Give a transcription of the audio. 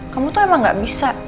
kamu tuh emang gak bisa